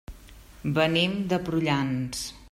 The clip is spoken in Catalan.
Venim de Prullans.